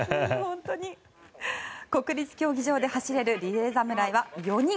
国立競技場で走れるリレー侍は４人。